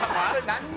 「何？